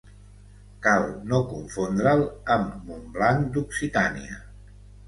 Cal no confondre'l amb Montblanc d'Occitània.